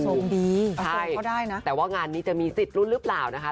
ส่งดีเอาได้นะใช่แต่ว่างานนี้จะมีสิทธิ์รุ่นหรือเปล่านะคะ